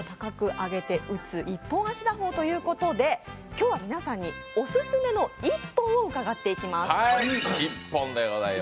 王選手の代名詞といえば片足を上げて打つ一本足打法ということで今日は皆さんにオススメの一本を伺っていきます。